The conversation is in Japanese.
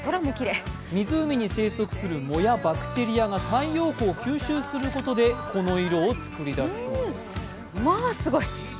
湖に生息する藻やバクテリアが太陽光を吸収することによってこの色を作り出すんです。